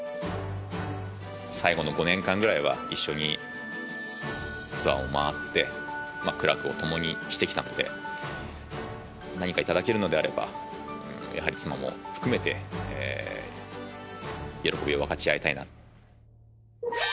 最後の５年間ぐらいは、一緒にツアーを回って、苦楽を共にしてきたので、何か頂けるのであれば、やはり妻も含めて喜びを分かち合いたいな。